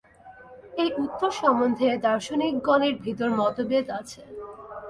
এই উত্তর সম্বন্ধে দার্শনিকগণের ভিতর মতভেদ আছে।